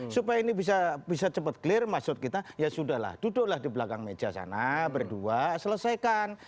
supaya ini bisa cepat clear maksud kita ya sudah lah duduklah di belakang meja sana berdua selesaikan